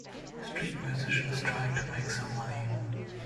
Street musicians trying to make some money.